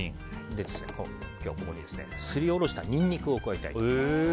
今日は、ここにすりおろしたニンニクを加えたいと思います。